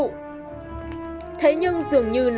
thế nhưng dường như nó vẫn thu hút số lượng lớn người sử dụng